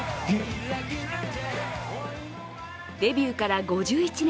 デビューから５１年